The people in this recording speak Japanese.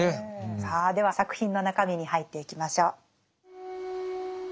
さあでは作品の中身に入っていきましょう。